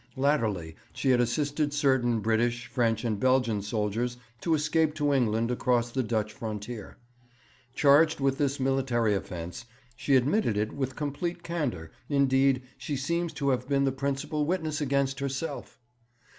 Latterly she had assisted certain British, French, and Belgian soldiers to escape to England across the Dutch frontier. Charged with this military offence, she admitted it with complete candour; indeed, she seems to have been the principal witness against herself.